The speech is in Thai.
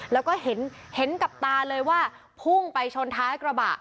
แล้วก็เห็นกับตาเลยว่าพุ่งไปชนท้ายกระบะ